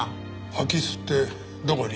空き巣ってどこに？